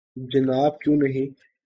جناب کیوں نہیں